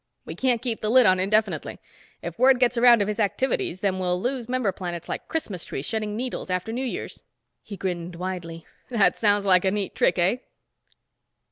We can't keep the lid on indefinitely. If word gets around of his activities, then we'll lose member planets like Christmas trees shedding needles after New Year's." He grinned widely. "That's sounds like a neat trick, eh?"